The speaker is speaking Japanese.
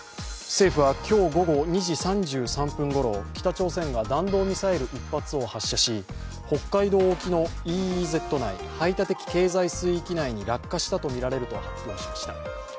政府は今日午後２時３３分ごろ北朝鮮が弾道ミサイル１発を発射し北海道沖のＥＥＺ＝排他的経済水域内に落下したとみられると発表しました。